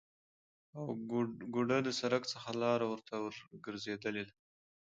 او گوډه د سرک څخه لار ورته ورگرځیدلې ده،